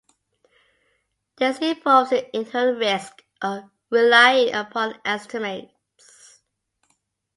This involves the inherent risk of relying upon estimates.